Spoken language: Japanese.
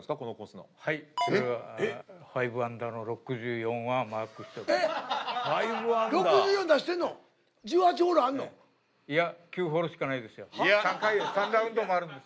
５アンダーの６４はマークしております。